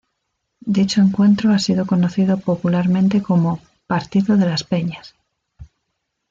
Dicho encuentro ha sido conocido popularmente como "Partido de las Peñas".